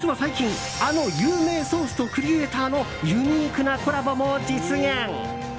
実は最近、あの有名ソースとクリエーターのユニークなコラボも実現。